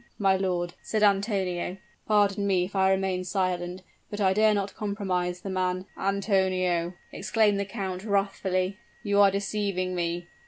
"My lord," said Antonio, "pardon me if I remain silent; but I dare not compromise the man " "Antonio," exclaimed the count, wrathfully, "you are deceiving me!